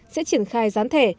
sẽ triển khai gián thể